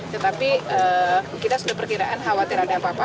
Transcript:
tetapi kita sudah perkiraan khawatir ada apa apa